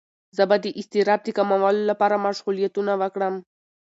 زه به د اضطراب د کمولو لپاره مشغولیتونه وکړم.